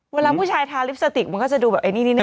เวลาผู้ชายทาลิปสติกมันก็จะดูแบบไอ้นี่นิดนึ